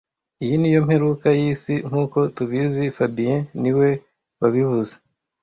Iyi niyo mperuka yisi nkuko tubizi fabien niwe wabivuze